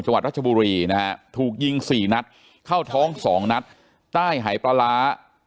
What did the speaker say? วัดรัชบุรีนะฮะถูกยิงสี่นัดเข้าท้อง๒นัดใต้หายปลาร้า